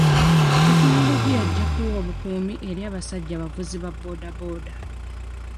Tekinologiya ajja kuwa obukuumi eri abasajja abavuzi ba booda booda.